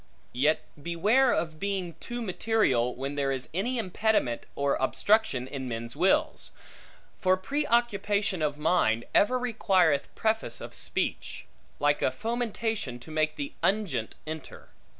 Yet beware of being too material, when there is any impediment or obstruction in men's wills; for pre occupation of mind ever requireth preface of speech; like a fomentation to make the unguent enter.